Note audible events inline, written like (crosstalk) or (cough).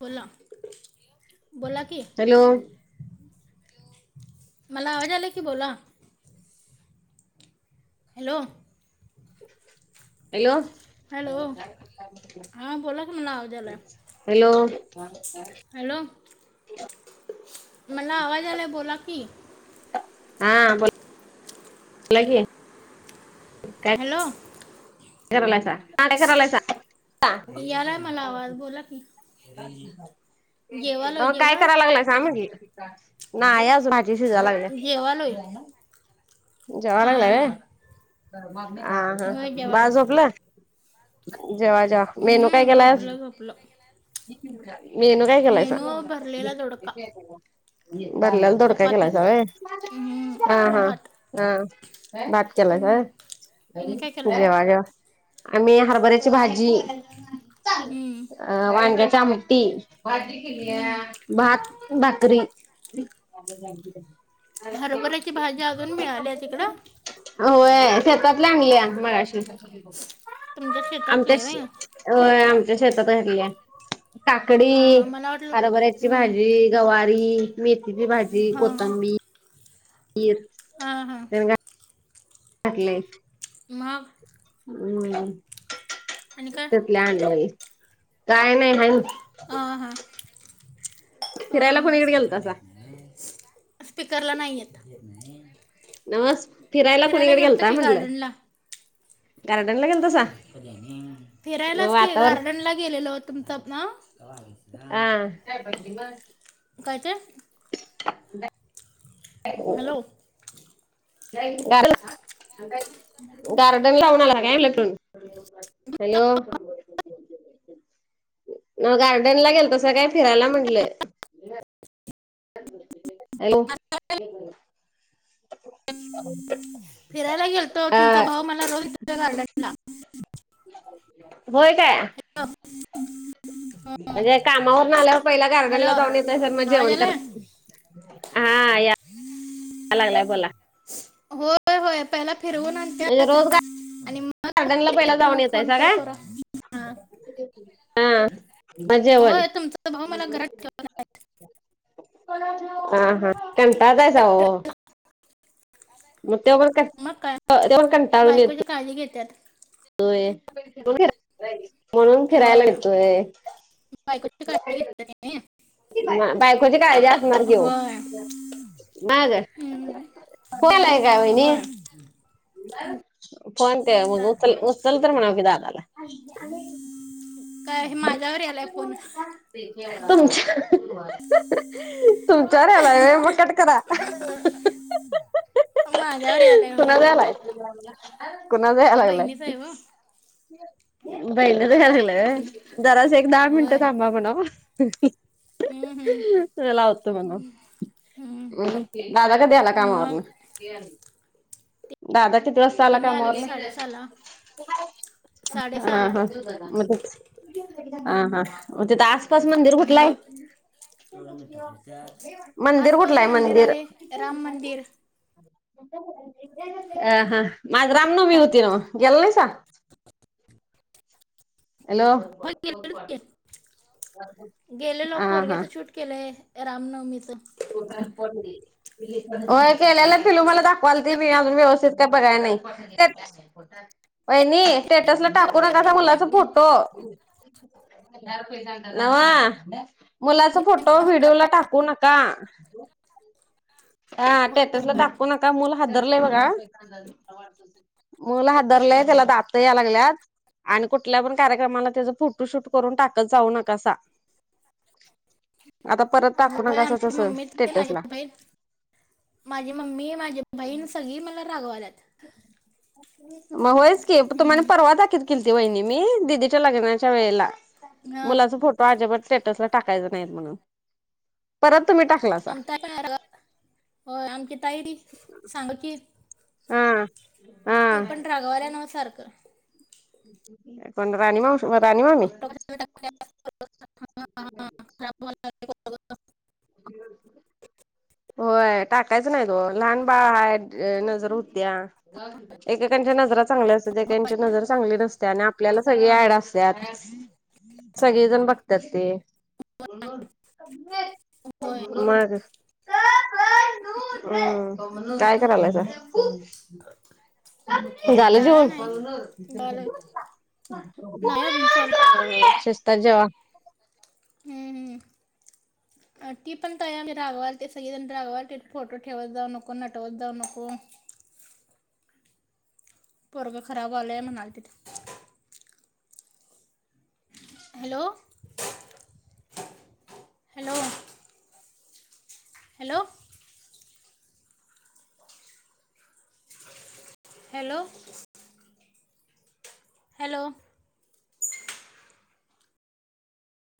बोला,, बोला की. हॅलो मला आवाज याला की बोला. हॅलो. हॅलो. हॅलो,, हा बोलाकी मला आवाज आला हॅलो. हॅलो. मला आवाज यालाय बोला की. हा बोल ला की. ठीकाय हॅलो. करालायसा, काय करालायसा? उलापी. अं काय जेवला करा लागलायसा म्हटली,, नाई आजून आ मेसेज आला का?, जेवालोय (unintelligible) जावा लागला हां हां ना. हा होय हं, बाळ जेवाया झोपलं? जेवा-जेवा, मेनू काय केलास? पलं मेनू काय केलायसा? भरलेला दोडका भरल्याला दोडका, चपाती केलायसा व्हयं? हं, हा आणि हां. भात अं, भात केलायस हं. होय, तुम्ही काय केला जेवा-जेवा. आम्ही हरभऱ्याची भाजी, हं, अ वांग (unintelligible) आमटी, भाजी केल्या हं. भात, भाकरी हरभऱ्याची भाजी, अजून मिळाल्या तिकडं? होय, शेतातल्या आणल्या, मगाशी तुमच्या आमच्या शेतातले शे होय होय, आमच्या शेतात य म्हंटल, काकडी, हां हां मला वाटलं हरभऱ्याची हं, भाजी गवारी, मेथीची भाजी, हां कोथिंबीर, इर हां हां. टाकलय मग? ह्म, आणि काय त्यातल आणलेली, काय नही बाई. अं हं, फिरायला ह्म (inaudible) कुणीकडे गेलतासा? स्पीकरला नाही येत, नवस फिरायला कुणीकडे गेलत गेलता की, म्हटलं? गार्डनला. गार्डनला, गेलतासा? मग फिरायलाच की, वातावरण गार्डन ला गेलेलो, तुमचा अं? आं. (unintelligible) काय-काय? (inaudible) Hello (unintelligible) garden (unintelligible) hello? म गार्डनला गेलतो, सगळे फिरायले म्हनले? (inaudible) हॅलो? (inaudible) फिरायला गेलतो, अ तुमचा भाऊ, मला रोज (unintelligible) गार्डनला. होय काय? (unintelligible) अगं कामावरन आल्यावर, पहिला हॅलो गार्डनला जाऊन येतयसा, मग आवाज जेवण कर आलाय हां या, (unintelligible) लागलाय, बोला होय-होय, पहिला फिरवून आण म्हणजे रोज गार गार्डनला पहिला, त्यांना जाऊन फोन येतायसा कॉल का? करा हां हं म जेवण. होय तुमचा भाऊ मला घरात ठेवला नाही अं हं, कंटाळतासा ओ? मग त्योपण काय, अ त्योपण कंटाळूण बायकोची येतोय. काळजी घेत्यात. होय, म्हणून फिरायला होय नेतोय बायकोची काळजी घेत्या, (unintelligible) नहीं? म, बायकोची काळजी, असणार की वो. होय ना गं? हम्म. फोन आलाय का वहिणी? होय कोण ते, मग चाल. उचल-उचल तर, म्हणावं की दादाला. काय माझ्यावर यालाय फोन. तुमच्या तुमच्यावर यालाय वय मग कट करा. माझ्यावर यायलाय होय कुणाचा यालाय? कुणाचा याय लागलाय बहिणीच आहे हो बहिणीचा याय लागलाय होय. जरासं एक दहा मिनटं होय थांबा म्हणावं. हम्म, हम्म, लावत म्हण हम्म. दादा कधी आला कामावरून? मग दादा किती वाज आला तिने आले कामावरन साडेसहाला साडेसहाला हा-हा हा-हा मग तिथ आसपास मंदिर कुठलं मग आहे? मंदिर आसपास कुठलं आहे मंदिर? राम मंदिर मग आज रामनवमी होती ना गेला नाहीसा? हॅलो? होय गेले लोक हा हा पोरग्याच शूट केलाय रामनवमीच. (unintelligible) हो केलेला फिल्म मला दाखवालत मी अजून व्यवस्थित काय बघाय नाही (unintelligible) वहिनी स्टेटसला टाकू नकासा बनवायलाच मुलाचा फोटो. नव्हा मुलाचा फोटो नाही. व्हिडिओला टाकू नक का हा होय होय स्टेटसला टाकू नका मुल हादरलंय बघा. मुलं होय हादरलंय त्याला होय दात याय लागल्यात. आणि कुठल्या पण कार्यक्रमाला त्याचा फोटोशूट करून टाकत जाऊ नकासा. आता परत टाकू ना होय कस आमची तस मम्मी ते माझी स्टेटसला. बहीण माझी मम्मी माझी बहिण सगळी मला रागवायलात. मग होयच की तुम्हाने हम्म. परवा दाखवत केली ती वहिणी मी दिदीच्या लग्नाच्या वेळेला. हा मुलाचा फोटो अजिबात स्टेटसला टाकायच नाहीत म्हणून परत तुम्ही टा (unintelligible) होय आमची तायडी सांग की? हा ते पण रागवाल्या नव्ह सारखं. कोण राणी मामी? फोटो कशाला टाकते? खराब व्हायला लागले. (unintelligible) होय टाकायचं नाही तो लहान बाळ हयात नजर होत्या. एकेकांच्या नजर चांगल्या असतात एांची नजर चांगली नसते आणि आपल्याला सगळी ऍड असत. सगळेजण बघतात ते. होय मग. हम्मं काय करालायसा? झालं काय जेवन? नाही झालं नाही अजून चालू शीस्तता जेव्हा. हम्मं -हम्म. ती पण काय आहे रागावर ते सगळेण रागाववर फोटो ठेवत जाऊ नको नटवत जाऊ नको. पोरग खराब व्हायला म्हणाल तिथे. Hello. Hello. Hello. Hello. Hello.